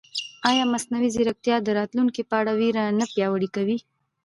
ایا مصنوعي ځیرکتیا د راتلونکي په اړه وېره نه پیاوړې کوي؟